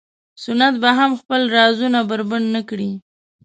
سنت به هم خپل رازونه بربنډ نه کړي.